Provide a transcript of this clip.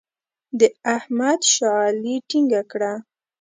د احمد شا علي ټینګه کړه.